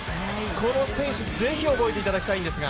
この選手、ぜひ覚えていただきたいんですが。